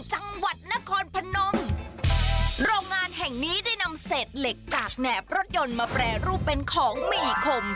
โรงงานแห่งนี้ได้นำเศษเหล็กจากแนบรถยนต์มาแปรรูปเป็นของมีอีกคม